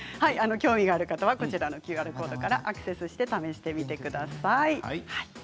興味がある方はＱＲコードからアクセスしてみてください。